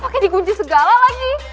pake digunci segala lagi